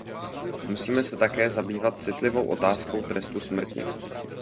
Musíme se také zabývat citlivou otázkou trestu smrti.